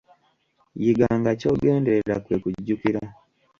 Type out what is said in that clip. Yiga nga ky'ogenderera kwe kujjukira.